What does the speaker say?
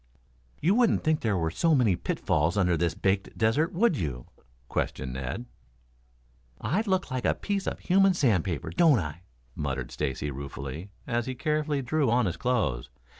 "You wouldn't think there were so many pitfalls under this baked desert, would you?" questioned Ned. "I look like a piece of human sandpaper, don't I?" muttered Stacy ruefully, as he carefully drew on his clothes.